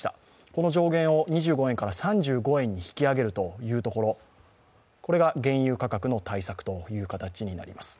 この上限を２５円から３５円に引き上げるというところ、これが原油価格の対策となります。